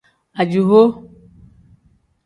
Ajihoo.